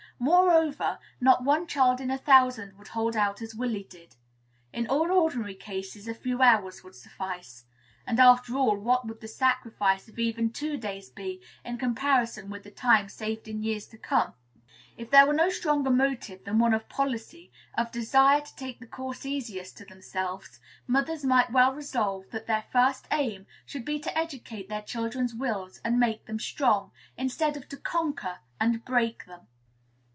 Moreover, not one child in a thousand would hold out as Willy did. In all ordinary cases a few hours would suffice. And, after all, what would the sacrifice of even two days be, in comparison with the time saved in years to come? If there were no stronger motive than one of policy, of desire to take the course easiest to themselves, mothers might well resolve that their first aim should be to educate their children's wills and make them strong, instead of to conquer and "break" them.